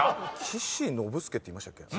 「岸信介」っていましたっけ？